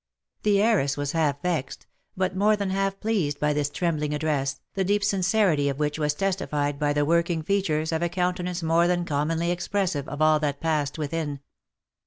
The heiress was half vexed, but more than half pleased by this trembling address, the deep sincerity of which was testified by the working features of a countenance more than commonly expressive of all that passed within.